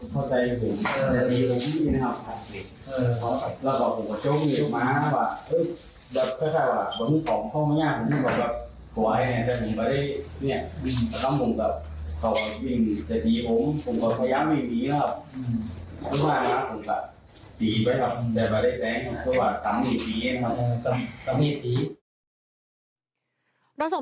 ตายหนึ่ง